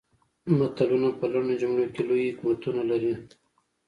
متلونه په لنډو جملو کې لوی حکمتونه لري